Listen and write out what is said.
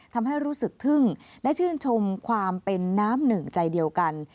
ทำให้รู้สึกทึ่งและชื่นชมความเป็นน้ำหนึ่งใจเดียวกัน